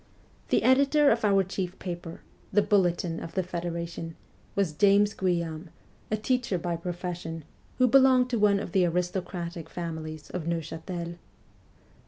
The editor of our chief paper, the ' Bulletin ' of the federation, was James Guillaume, a teacher by profession, who belonged to one of the aristocratic families of Neuchatel.